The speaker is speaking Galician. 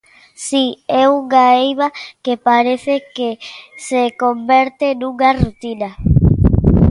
Si, é unha eiva que parece que se converte nunha rutina.